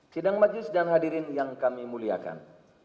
sidang majelis dan hadirin yang kami muliakan